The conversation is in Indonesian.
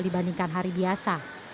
dibandingkan hari biasa